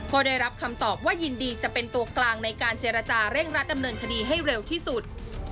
ก็ได้รับคำตอบว่ายินดีจะเป็นตัวกลางในการเจรจาเร่งรัดดำเนินคดีให้เร็วที่สุด